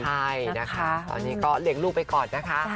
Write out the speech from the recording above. ใช่นะคะตอนนี้ก็เลี้ยงลูกไปก่อนนะคะ